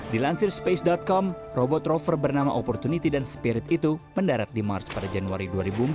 dilansir space com robot rover bernama opportunity dan spirit itu mendarat di mars pada januari dua ribu empat belas